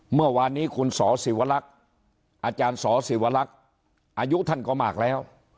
เมื่อวานนี้คุณสศิวลักษณ์อาจารย์สศิวลักษณ์อายุท่านก็มากแล้ว